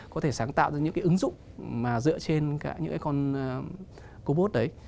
có thể sáng tạo ra những cái ứng dụng mà dựa trên những cái con robot đấy